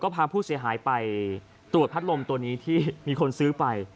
พาผู้เสียหายไปตรวจพัดลมตัวนี้ที่มีคนซื้อไป